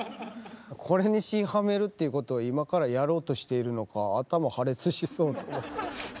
これに詞はめるっていうことを今からやろうとしているのか頭破裂しそうと思って。